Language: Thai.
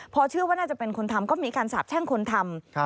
พอเชื่อว่าน่าจะเป็นคนทำก็มีการสาบแช่งคนทำ